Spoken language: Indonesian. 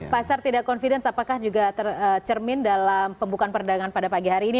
pasar tidak confidence apakah juga tercermin dalam pembukaan perdagangan pada pagi hari ini